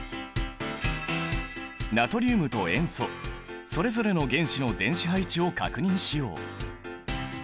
ナトリウムと塩素それぞれの原子の電子配置を確認しよう！